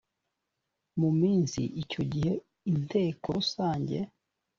mu minsi icyo gihe inteko rusange